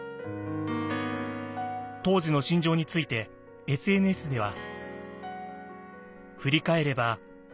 当時の心情についてＳＮＳでは。